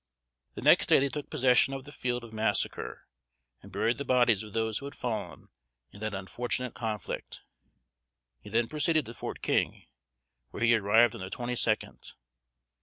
The next day they took possession of the field of massacre, and buried the bodies of those who had fallen in that unfortunate conflict. He then proceeded to Fort King, where he arrived on the twenty second.